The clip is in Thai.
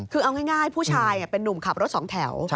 คือเอาง่ายผู้ชายเป็นนุ่มขับรถสองแถว